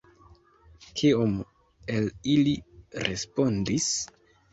Kiom el ili respondis?